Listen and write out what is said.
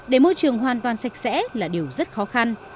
để môi trường hoàn toàn sạch sẽ là điều rất khó khăn